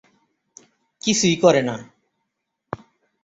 কিছুই করে না।